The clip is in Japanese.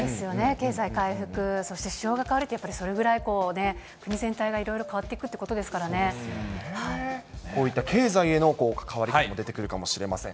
経済回復、そして首相がかわるって、それぐらい国全体がいろいろ変わっていこういった経済への関わりも出てくるかもしれません。